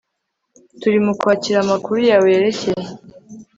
Turi mu kwakira amakuru yawe yerekeye